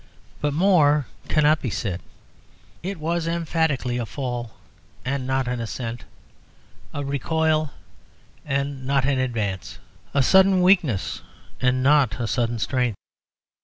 But more cannot be said. It was emphatically a fall and not an ascent, a recoil and not an advance, a sudden weakness and not a sudden strength.